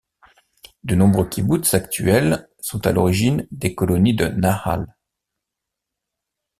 De nombreux kibboutz actuels, sont, à l'origine, des colonies de Nahal.